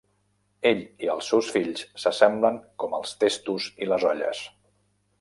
Ell i els seus fills s'assemblen com els testos i les olles.